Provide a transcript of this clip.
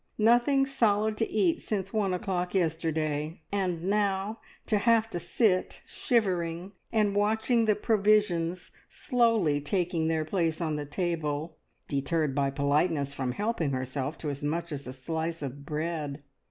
Nothing solid to eat since one o'clock yesterday, and now to have to sit shivering and watching the provisions slowly taking their place on the table, deterred by politeness from helping herself to as much as a slice of bread.